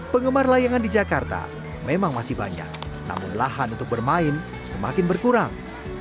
penggemar layangan di jakarta memang masih banyak namun lahan untuk bermain semakin berkurang